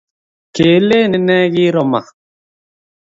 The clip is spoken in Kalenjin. Kilen inendet kiiro ma